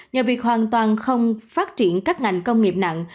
nhờ việc hoàn toàn không phát triển các ngành công nghiệp nặng